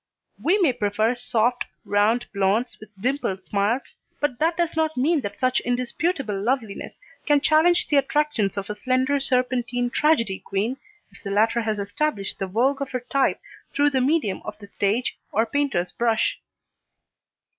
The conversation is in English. We may prefer soft, round blonds with dimpled smiles, but that does not mean that such indisputable loveliness can challenge the attractions of a slender serpentine tragedy queen, if the latter has established the vogue of her type through the medium of the stage or painter's brush.